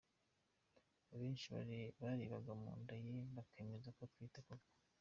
Abenshi barebaga ku nda ye bakemeza ko atwite koko.